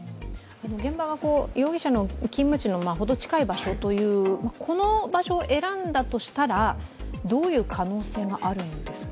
現場が容疑者の勤務地に程近い場所という、この場所を選んだとしたら、どういう可能性があるんですか？